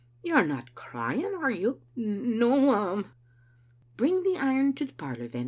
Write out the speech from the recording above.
You are not crying, are you?" "No, ma'am." "Bring the iron to the parlor, then.